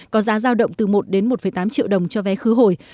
có giá giao động từ một đến một tám triệu đồng cho vé khứ hồi